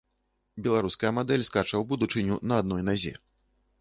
Беларуская мадэль скача ў будучыню на адной назе.